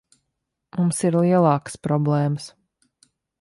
Mums ir lielākas problēmas.